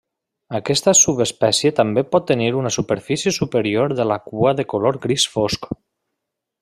Aquesta subespècie també pot tenir una superfície superior de la cua de color gris fosc.